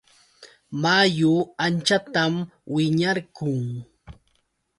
Mayu anchatam wiñarqun.